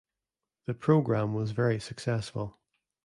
The program was very successful.